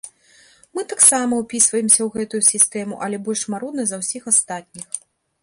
Мы таксама ўпісваемся ў гэтую сістэму, але больш марудна за ўсіх астатніх.